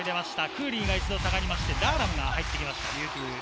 クーリーが一度下がって、ダーラムが入ってきました。